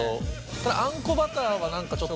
ただあんこバターは何かちょっと。